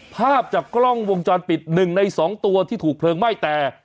ภาพจากกล้องวงจรปิด๑ใน๒ตัวที่ถูกเพลิงไหม้แต่